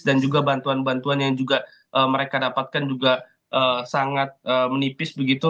dan juga bantuan bantuan yang juga mereka dapatkan juga sangat menipis begitu